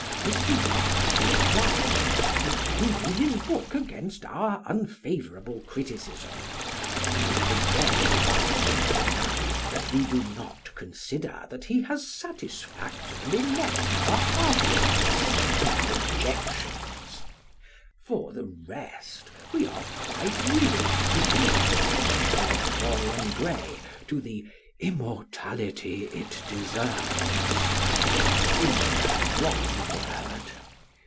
Mr. Wilde replies, defending his book against our unfavourable criticism, and we have again the right to point out that we do not consider that he has satisfactorily met our arguments and our objections. For the rest, we are quite willing to leave "The Picture of Dorian Gray" to the "immortality it deserves." We must add one word.